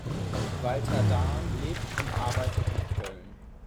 Walter Dahn lebt und arbeitet in Köln.